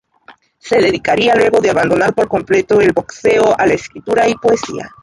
Se dedicaría luego de abandonar por completo el boxeo, a la escritura y poesía.